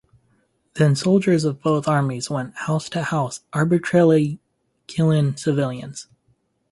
Then soldiers of both armies went house to house arbitrarily killing civilians.